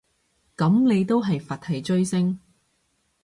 噉你都係佛系追星